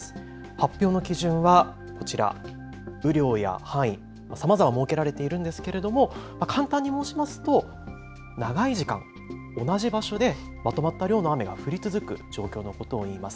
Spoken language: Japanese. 発表の基準はこちら、雨量や範囲、さまざま設けられているんですけれども簡単に申しますと長い時間、同じ場所でまとまった量の雨が降り続く状況のことをいいます。